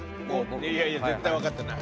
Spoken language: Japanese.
いやいや絶対分かってない。